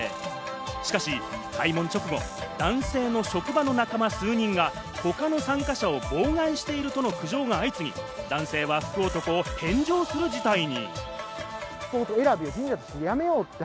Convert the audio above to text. しかし開門直後、男性の職場の仲間数人がほかの参加者を妨害しているとの苦情が相次ぎ、男性は福男を返上する事態に。